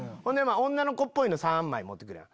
女の子っぽいの３枚持ってくるやん。